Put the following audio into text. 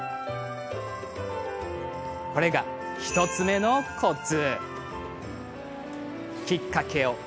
これが１つ目のコツ。